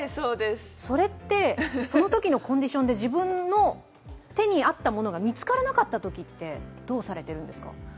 それって、そのときのコンディションで自分の手に合ったものが見つからなかったときって、どうされてるんですか？